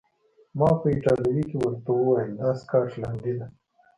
ما په ایټالوي کې ورته وویل: دا سکاټلنډۍ ده.